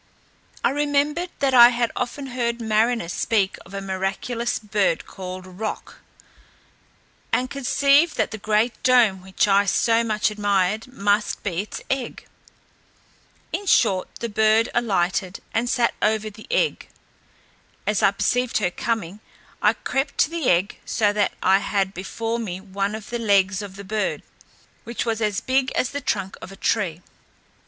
I remembered that I had often heard mariners speak of a miraculous bird called Roc, and conceived that the great dome which I so much admired must be its egg. In short, the bird alighted, and sat over the egg. As I perceived her coming, I crept to the egg, so that I had before me one of the legs of the bird, which was as big as the trunk of a tree.